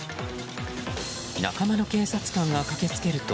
仲間の警察官が駆けつけると。